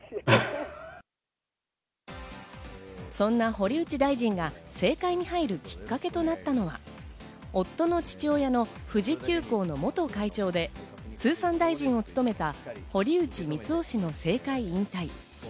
そんな堀内大臣が政界に入るきっかけとなったのが夫の父親の富士急行の元会長で通産大臣を務めた堀内光雄氏の政界引退。